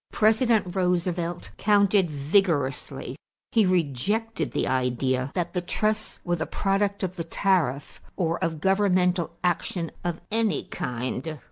President Roosevelt countered vigorously. He rejected the idea that the trusts were the product of the tariff or of governmental action of any kind.